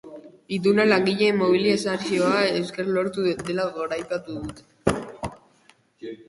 Ituna langileen mobilizazioari esker lortu dela goraipatu dute.